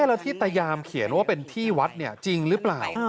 แล้วที่ตะยามเขียนว่าเป็นที่วัดจริงหรือเปล่า